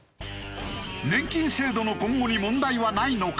年金制度の今後に問題はないのか？